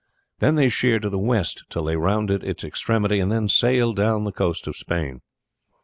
Then they sheered to the west till they rounded its extremity and then sailed down the coast of Spain.